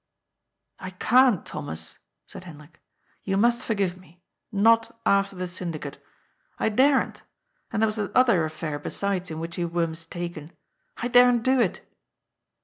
" I can't, Thomas," said Hendrik. " You must forgive me. Not after the syndicate. I daren't. And there was that other affair, besides, in which you were mistaken. I daren't do it."